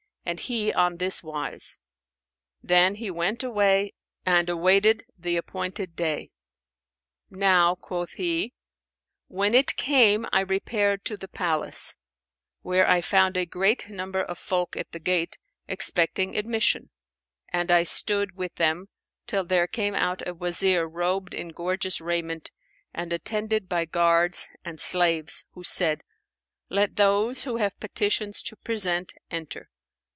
and he on this wise?" Then he went away and awaited the appointed day. "Now" (quoth he)"when it came, I repaired to the palace, where I found a great number of folk at the gate, expecting admission; and I stood with them, till there came out a Wazir robed in gorgeous raiment and attended by guards and slaves, who said, 'Let those, who have petitions to present, enter.'